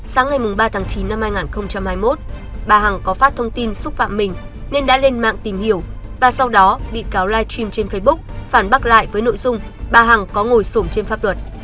sáng ngày ba tháng chín năm hai nghìn hai mươi một bà hằng có phát thông tin xúc phạm mình nên đã lên mạng tìm hiểu và sau đó bị cáo live stream trên facebook phản bác lại với nội dung bà hằng có ngồi sùm trên pháp luật